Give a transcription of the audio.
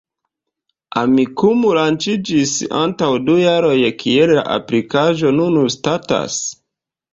Amikumu lanĉiĝis antaŭ du jaroj, kiel la aplikaĵo nun statas?